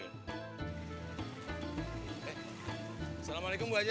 assalamu'alaikum bu haji